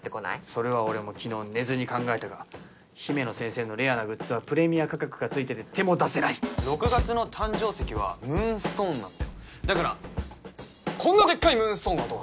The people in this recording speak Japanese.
それは俺も昨日寝ずに考えたが姫乃先生のレアなグッズはプレミア価格がついてて手も出せない６月の誕生石はムーンストーンなんだよだからこんなでっかいムーンストーン